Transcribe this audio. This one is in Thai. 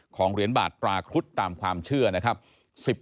เหรียญบาทตราครุฑตามความเชื่อนะครับ